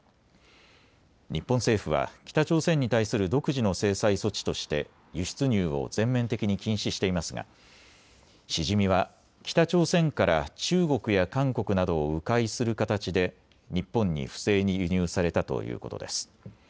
日本政府は北朝鮮に対する独自の制裁措置として輸出入を全面的に禁止していますがシジミは北朝鮮から中国や韓国などをう回する形で日本に不正に輸入されたということです。